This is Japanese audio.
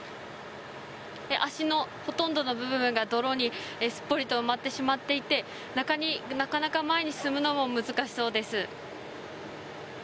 足のほとんどの部分が泥にすっぽりと埋まってしまっていてなかなか前に進むのも難しそうです。